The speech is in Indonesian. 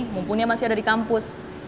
mumpunya masih ada di kampus